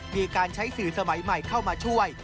มีการใช้สื่อสมัยใหม่เข้ามาช่วย